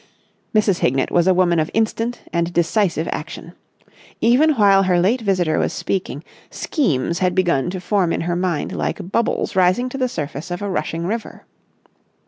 Mrs. Hignett was a woman of instant and decisive action. Even while her late visitor was speaking, schemes had begun to form in her mind like bubbles rising to the surface of a rushing river.